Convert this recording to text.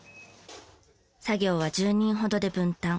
作業は１０人ほどで分担。